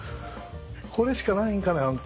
これしかないんかねあんた。